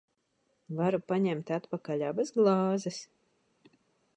Varu paņemt atpakaļ abas glāzes?